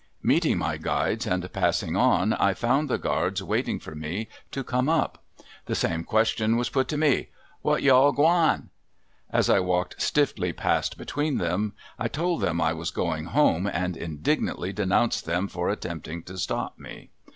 Meeting my guides and passing on I found the guards waiting for me to come up. The same question was put to me: "Wha' you all gwine?" as I walked stiffly past between them. I told them I was going home and indignantly denounced them for attempting to stop me.